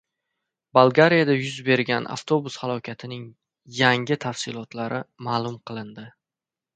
Bolgariyada yuz bergan avtobus halokatining yangi tafsilotlari ma’lum qilindi